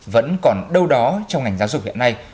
vẫn còn đâu đó trong ngành giáo dục hiện nay